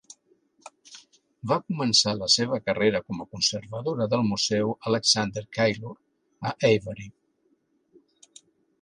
Va començar la seva carrera com a conservadora del museu Alexander Keillor, a Avebury.